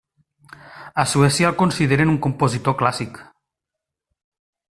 Ha Suècia el consideren un compositor clàssic.